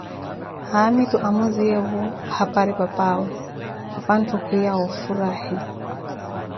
Haamitu amuziyeevo hapari papaawe, papantto kwiya wa ofurahi